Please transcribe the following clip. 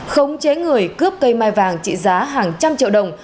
khống chế người cướp cây mai vàng trị giá hàng trăm triệu đồng